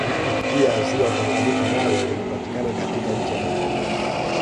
Lipo pia ziwa Tanganyika nalo linapatikana katika nchi ya Tanzania